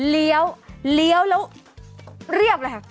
เลี้ยวเลี้ยวแล้วเรียบเลยค่ะ